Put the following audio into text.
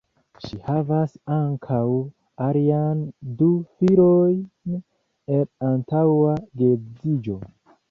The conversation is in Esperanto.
Ŝi havas ankaŭ alian du filojn el antaŭa geedziĝo.